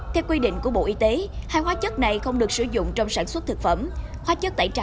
theo quy định của bộ y tế hai hóa chất này không được sử dụng trong sản xuất thực phẩm hóa chất